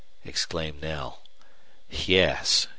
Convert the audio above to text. exclaimed Knell. "Yes.